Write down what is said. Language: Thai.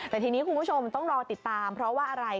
แต่ทีนี้คุณผู้ชมต้องรอติดตามเพราะว่าอะไร